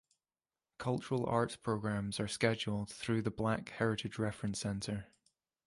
Cultural arts programs are scheduled through the Black Heritage Reference Center.